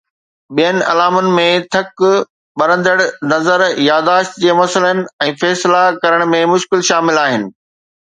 ٻين علامن ۾ ٿڪ، ٻرندڙ نظر، ياداشت جي مسئلن، ۽ فيصلا ڪرڻ ۾ مشڪل شامل آهن